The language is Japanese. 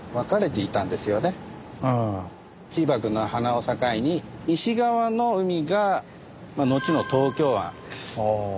チーバくんの鼻を境に西側の海が後の東京湾です。